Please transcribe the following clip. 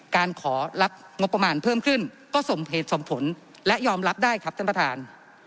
การขอรับงบประมาณเพิ่มขึ้นก็สมเหตุสมผลและยอมรับได้ครับท่านประธาน